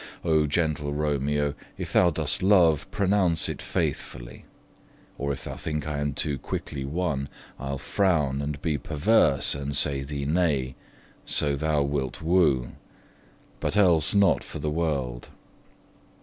Oh gentle Romeo, If thou dost love, pronounce it faithfully; Or if thou think I am too quickly won, I'll frown and be perverse, and say thee nay, So thou wilt woo: but else not for the world.